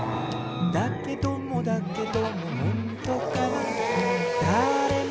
「だけどもだけどもほんとかな」